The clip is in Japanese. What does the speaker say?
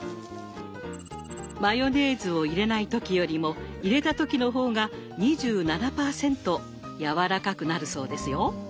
マヨネーズを入れない時よりも入れた時の方が２７％やわらかくなるそうですよ。